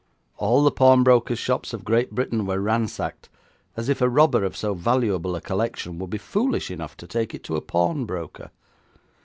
All the pawnbrokers' shops of Great Britain were ransacked, as if a robber of so valuable a collection would be foolish enough to take it to a pawnbroker.